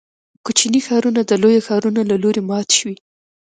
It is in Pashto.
کوچني ښارونه د لویو ښارونو له لوري مات شوي.